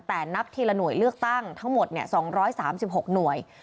แต่นับทีละหน่วยเลือกตั้งทั้งหมดเนี้ยสองร้อยสามสิบหกหน่วย